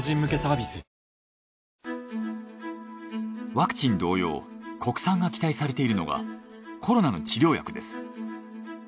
ワクチン同様国産が期待されているのがコロナの治療薬です。